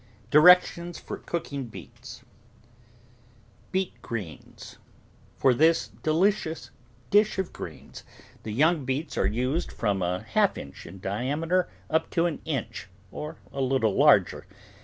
DIRECTIONS FOR COOKING BEETS BEET GREENS For this delicious dish of greens the young beets are used from a half inch in diameter up to an inch or a little larger.